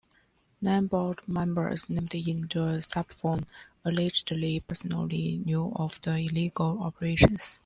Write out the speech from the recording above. Nine board members named in the subpoena allegedly personally knew of the illegal operations.